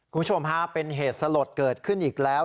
คุณผู้ชมฮะเป็นเหตุสลดเกิดขึ้นอีกแล้ว